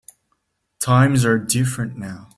Times are different now.